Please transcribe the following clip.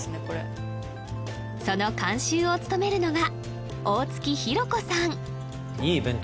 これその監修を務めるのが大月ヒロ子さん